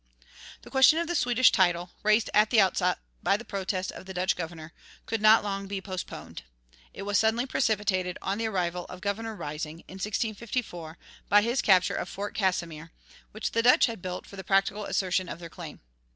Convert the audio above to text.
The question of the Swedish title, raised at the outset by the protest of the Dutch governor, could not long be postponed. It was suddenly precipitated on the arrival of Governor Rising, in 1654, by his capture of Fort Casimir, which the Dutch had built for the practical assertion of their claim.